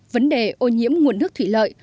vấn đề ô nhiễm nguồn nước thủy lợi